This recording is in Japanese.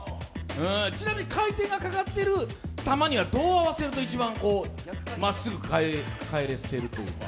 ちなみに回転がかかってる球にはどう合わせるといちばんまっすぐ返せるというか。